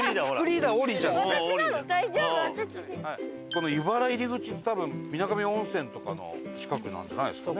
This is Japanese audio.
この湯原入口って多分水上温泉とかの近くなんじゃないんですかね。